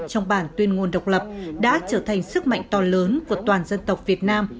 trong bản tuyên ngôn độc lập đã trở thành sức mạnh to lớn của toàn dân tộc việt nam